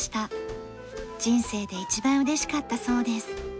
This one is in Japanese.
人生で一番嬉しかったそうです。